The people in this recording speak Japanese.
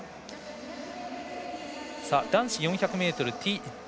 男子４００ｍＴ